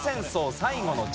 最後の地。